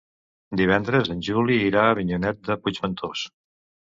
Divendres en Juli irà a Avinyonet de Puigventós.